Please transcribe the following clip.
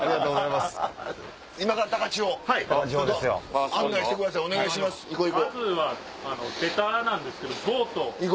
まずはベタなんですけど。